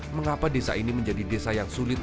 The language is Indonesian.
mengapa desa ini menjadi desa yang sulit